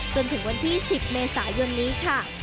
จนถึงวันที่๑๐เมษายนนี้ค่ะ